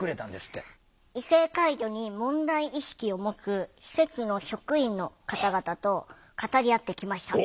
異性介助に問題意識を持つ施設の職員の方々と語り合ってきました。